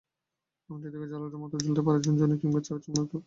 আংটি থেকে ঝালরের মতো ঝুলতে পারে ঝুনঝুনি কিংবা চাবির গোছার মতো নকশাও।